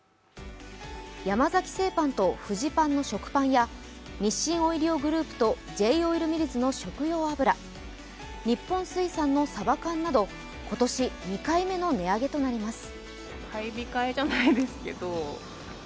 山崎製パンやフジパンの食パンや日清オイリオグループとＪ−オイルミルズの食用油、日本水産のサバ缶など、今年２回目の値上げとなります。